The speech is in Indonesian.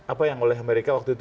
apa yang oleh amerika waktu itu